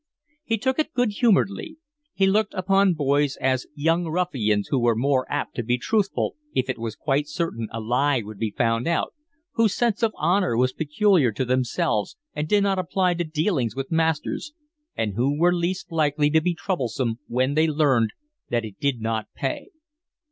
He took it good humouredly. He looked upon boys as young ruffians who were more apt to be truthful if it was quite certain a lie would be found out, whose sense of honour was peculiar to themselves and did not apply to dealings with masters, and who were least likely to be troublesome when they learned that it did not pay.